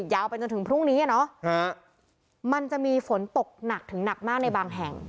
ยาวไปจนถึงพรุ่งนี้มันจะมีฝนตกหนักถึงหนักมากในบางแห่ง